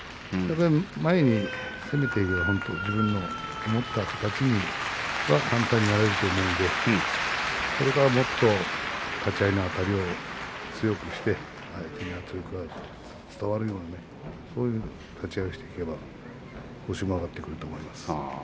前に攻めていけば自分の思った形には簡単になれると思うのでこれからもっと立ち合いのあたりを強くして相手に力が伝わるようにそういう立ち合いをしていけば星も挙がってくると思います。